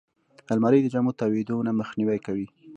الماري د جامو تاویدو نه مخنیوی کوي